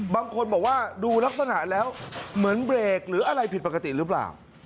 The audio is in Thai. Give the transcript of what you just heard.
บางคนบอกว่าดูลักษณะแล้วเหมือนเบรกหรืออะไรผิดปกติหรือเปล่า